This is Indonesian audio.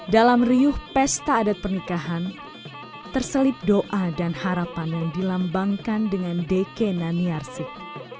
dalam riuh pesta adat pernikahan terselip doa dan harapan yang dilambangkan dengan deke naniarsik